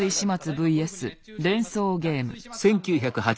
ＶＳ連想ゲーム。